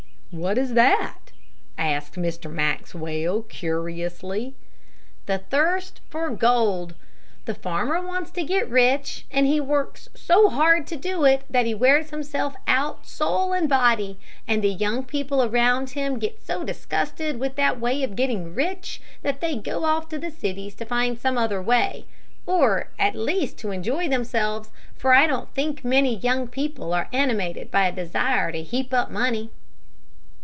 "What is that?" asked Mr. Maxwell, curiously. "The thirst for gold. The farmer wants to get rich, and he works so hard to do it that he wears himself out soul and body, and the young people around him get so disgusted with that way of getting rich, that they go off to the cities to find out some other way, or at least to enjoy themselves, for I don't think many young people are animated by a desire to heap up money."